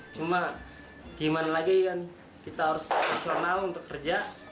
cuma gimana lagi kan kita harus profesional untuk kerja